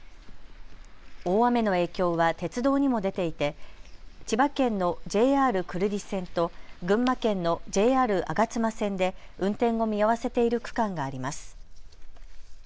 大雨の影響は鉄道にも出ていて千葉県のＪＲ久留里線と群馬県のＪＲ吾妻線で運転を見合わせている区間があります。